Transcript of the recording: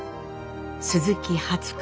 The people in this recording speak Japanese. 鈴木初子。